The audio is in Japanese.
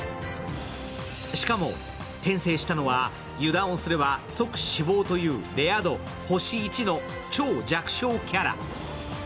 しかも、転生したのは油断をすれば即死亡というレア度、星１の超弱小キャラ。